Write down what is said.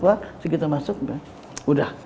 wah segitu masuk udah